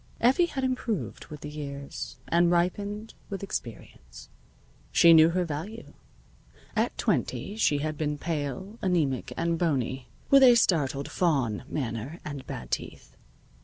Effie had improved with the years, and ripened with experience. She knew her value. At twenty she had been pale, anaemic and bony, with a startled faun manner and bad teeth.